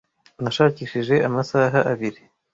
nashakishije amasaha abiri